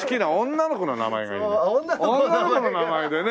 女の子の名前でね。